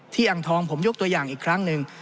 อ่างทองผมยกตัวอย่างอีกครั้งหนึ่ง